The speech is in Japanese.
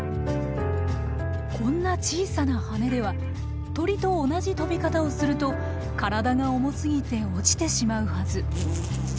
こんな小さな羽では鳥と同じ飛び方をすると体が重すぎて落ちてしまうはず。